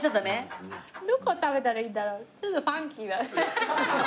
どこ食べたらいいんだろう？